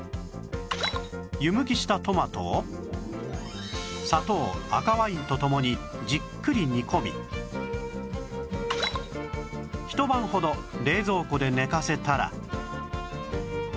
湯むきしたトマトを砂糖赤ワインと共にじっくり煮込みひと晩ほど冷蔵庫で寝かせたら